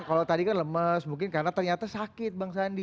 kalau tadi kan lemes mungkin karena ternyata sakit bang sandi